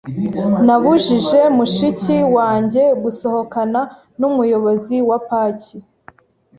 Nabujije mushiki wanjye gusohokana numuyobozi wapaki.